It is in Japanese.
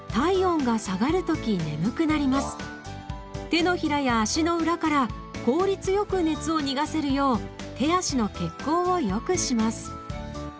手のひらや足の裏から効率よく熱を逃がせるよう手足の血行をよくします。